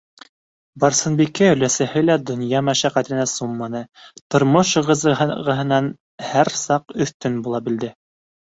Барсынбикә өләсәһе лә донъя мәшәҡәтенә сумманы, тормош ығы- зығыһынан һәр саҡ оҫтөн була белде.